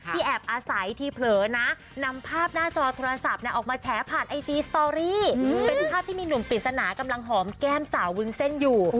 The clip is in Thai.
แอบอาศัยทีเผลอนะนำภาพหน้าจอโทรศัพท์ออกมาแฉผ่านไอจีสตอรี่เป็นภาพที่มีหนุ่มปริศนากำลังหอมแก้มสาววุ้นเส้นอยู่